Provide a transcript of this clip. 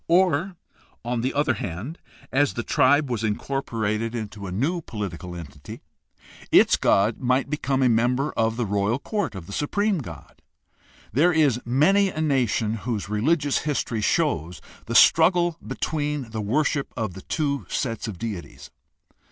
Or, on the other hand, as the tribe was incorporated into a new THE HISTORICAL STUDY OF RELIGION 43 political entity, its god might become a member of the royal court of the supreme God. There is many a nation whose religious history shows the struggle between the worship of the two sets of deities.